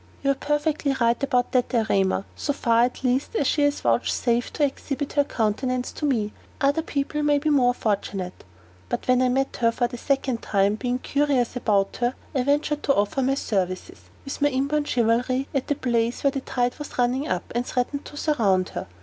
"You are perfectly right about that, Erema; so far at least as she has vouchsafed to exhibit her countenance to me. Other people may be more fortunate. But when I met her for the second time, being curious already about her, I ventured to offer my services, with my inborn chivalry, at a place where the tide was running up, and threatened to surround her.